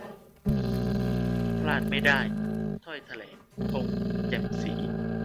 พลาดไม่ได้ ! ถ้อยแถลง 'ธง แจ่มศรี'